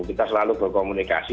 kita selalu berkomunikasi